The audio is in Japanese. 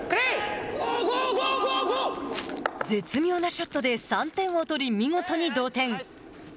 絶妙なショットで３点を取り見事に同点。